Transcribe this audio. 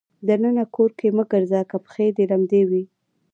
د ننه کور کې مه ګرځه که پښې دې لمدې وي.